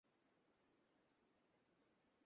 আমার বাড়ি থেকে তোমাকে বাঁচানোর উদ্দেশ্যে এখানে এসেছি।